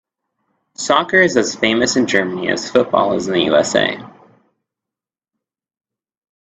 Soccer is as famous in Germany as football is in the USA.